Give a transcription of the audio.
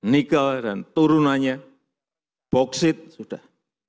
nikel dan turunannya boksit sudah